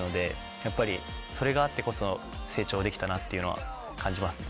やっぱりそれがあってこそ成長できたなっていうのは感じますね。